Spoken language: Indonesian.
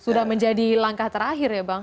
sudah menjadi langkah terakhir ya bang